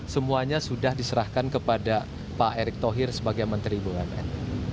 semuanya sudah diserahkan kepada pak erick thohir sebagai menteri bumn